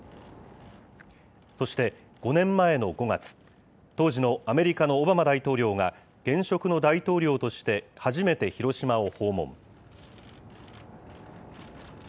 そして５年前の５月、当時のアメリカのオバマ大統領が、現職の大統領として初めて広島を訪問。